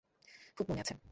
খুব মনে আছে।